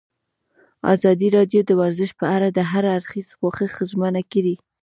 ازادي راډیو د ورزش په اړه د هر اړخیز پوښښ ژمنه کړې.